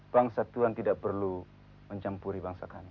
bangsa tuhan tidak perlu mencampuri bangsa kami